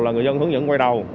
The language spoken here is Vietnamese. là người dân hướng dẫn quay đầu